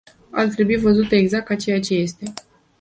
Ar trebui văzută exact ca ceea ce este.